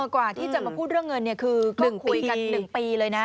กว่าที่จะมาพูดเรื่องเงินคือคุยกัน๑ปีเลยนะ